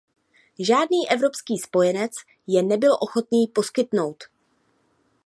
Žádný evropský spojenec je nebyl ochotný poskytnout.